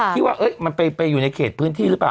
ที่ว่ามันไปอยู่ในเขตพื้นที่หรือเปล่า